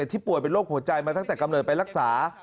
ป่วยเป็นโรคหัวใจมาตั้งแต่กำเนิดไปรักษา